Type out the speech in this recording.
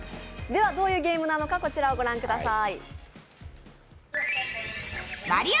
どういうゲームなのか、こちらをご覧ください。